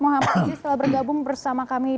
mohamad ziz telah bergabung bersama kami